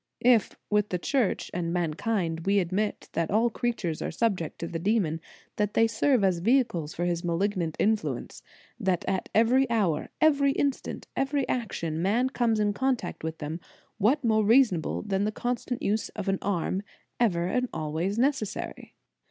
If, with the Church, and mankind, we admit that all creatures are subject to the demon, that they serve as vehicles for his malignant influence; that at every hour, every instant, every action, man comes in contact with them ; what more reasonable than the constant use of an arm, ever and always necessary?